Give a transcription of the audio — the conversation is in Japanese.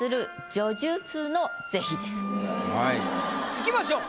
いきましょう。